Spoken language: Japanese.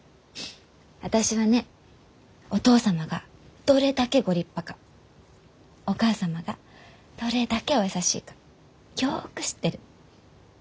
私はねお父様がどれだけご立派かお母様がどれだけお優しいかよく知ってる。